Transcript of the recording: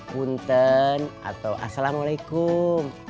punten atau assalamualaikum